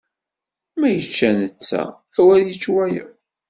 Ma yečča netta awer yečč wayeḍ.